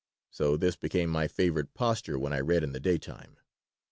So this became my favorite posture when I read in the daytime.